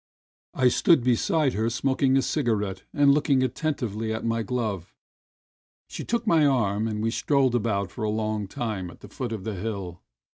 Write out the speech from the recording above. A JOKE 81 I stood beside her smoking a cigarette and looking attentively at my glove. She took my arm and we strolled about for a long time at the foot of the hill.